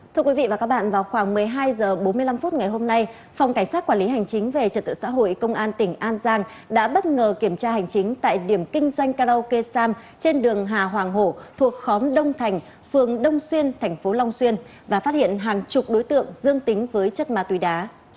thưa quý vị và các bạn vào khoảng một mươi hai h bốn mươi năm phút ngày hôm nay phòng cảnh sát quản lý hành chính về trật tự xã hội công an tỉnh an giang đã bất ngờ kiểm tra hành chính tại điểm kinh doanh karaoke sam trên đường hà hoàng hổ thuộc khóm đông thành phường đông xuyên thành phố long xuyên và phát hiện hàng chục đối tượng dương tính với chất ma túy đá